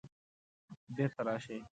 بیرته راشئ